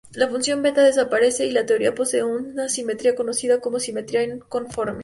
La función beta desaparece, y la teoría posee una simetría conocida como simetría conforme.